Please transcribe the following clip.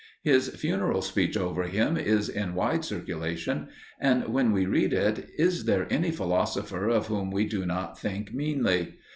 His funeral speech over him is in wide circulation, and when we read it, is there any philosopher of whom we do not think meanly?